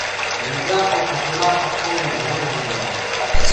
نيٚڀڙآ ڪو کٽولآ پڪو ائينٚ ڀلو هونٚدو هي